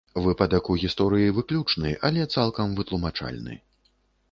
Выпадак у гісторыі выключны, але цалкам вытлумачальны.